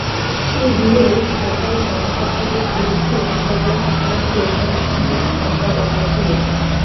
সেই বিলেও সরকারি কর্মকর্তাদের বিরুদ্ধে মামলা করা সংক্রান্ত কমিশনের ক্ষমতা বহাল ছিল।